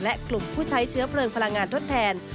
และกลุ่มผู้ใช้เชื้อเพลิงพลังงานทดแทน